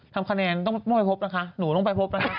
ทำขนด้านต้องไม่ไปพบหนูต้องไปพบนะ